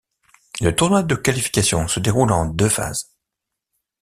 Le tournoi de qualifications se déroule en deux phases.